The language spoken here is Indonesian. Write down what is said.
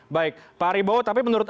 baik pak aribowo tapi menurut